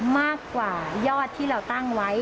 มากกว่ายอดที่เราตั้งไว้